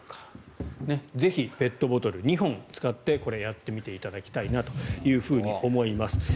ぜひペットボトル２本使ってやってみていただきたいなと思います。